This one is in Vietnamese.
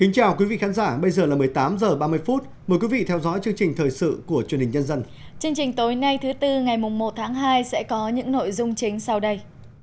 chương trình tối nay thứ tư ngày một tháng hai sẽ có những nội dung chính sau đây